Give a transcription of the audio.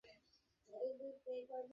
Miriam, না।